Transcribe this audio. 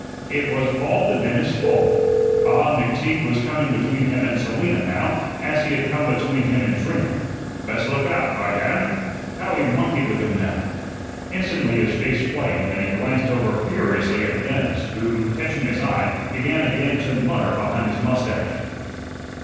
It was all the dentist's fault. Ah, McTeague was coming between him and Selina now as he had come between him and Trina. Best look out, by damn! how he monkeyed with him now. Instantly his face flamed and he glanced over furiously at the dentist, who, catching his eye, began again to mutter behind his mustache.